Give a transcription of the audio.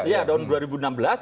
iya tahun dua ribu enam belas